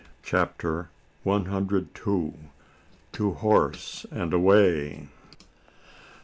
CHAPTER ONE HUNDRED TWO. TO HORSE AND AWAY.